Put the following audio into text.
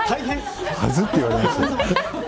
はずって言われましたよ。